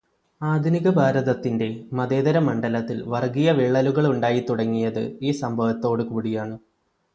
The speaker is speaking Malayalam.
ആധുനികഭാരത്തിന്റെ മതേതരമണ്ഡലത്തില് വര്ഗീയവിള്ളലുകളുണ്ടായിത്തുടങ്ങിയത് ഈ സംഭവത്തോട് കൂടിയാണ്.